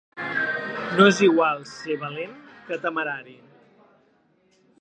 No és igual ser valent que temerari.